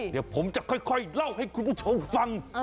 เดี๋ยวผมจะค่อยเล่าให้คุณผู้ชมฟัง